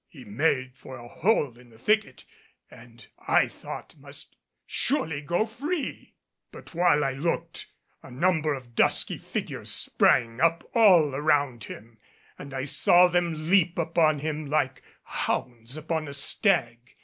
He made for a hole in the thicket, and I thought must surely go free. But while I looked, a number of dusky figures sprang up all around him, and I saw them leap upon him like hounds upon a stag.